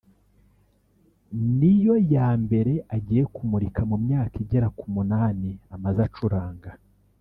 ni yo ya mbere agiye kumurika mu myaka igera ku munani amaze acuranga